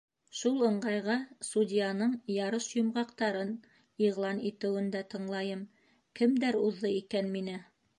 Шул ыңғайға судьяның ярыш йомғаҡтарын иғлан итеүен дә тыңлайым: кемдәр уҙҙы икән мине?